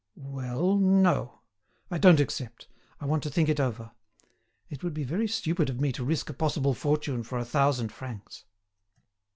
"Well, no; I don't accept—I want to think it over. It would be very stupid of me to risk a possible fortune for a thousand francs."